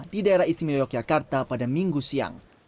di daerah istimewa yogyakarta pada minggu siang